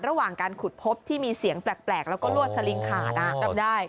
ระหว่างการขุดพบที่มีเสียงแปลกแล้วก็ลวดสลิงขาดจำได้